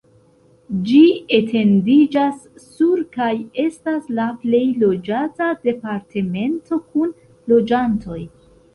Ĝi etendiĝas sur kaj estas la plej loĝata departemento kun loĝantoj.